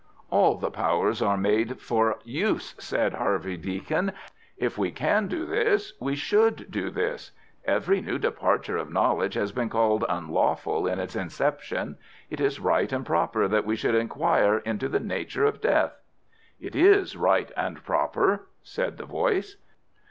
"All the powers are made for use," said Harvey Deacon. "If we can do this, we should do this. Every new departure of knowledge has been called unlawful in its inception. It is right and proper that we should inquire into the nature of death." "It is right and proper," said the voice.